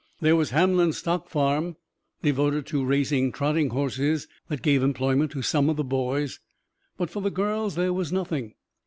There was Hamlin's stock farm, devoted to raising trotting horses, that gave employment to some of the boys; but for the girls there was nothing.